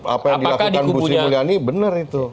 apa yang dilakukan bustri mulyani benar itu